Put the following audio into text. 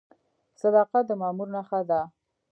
صداقت د مامور نښه ده؟